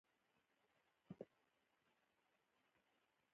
ازادي راډیو د د کار بازار په اړه د ښځو غږ ته ځای ورکړی.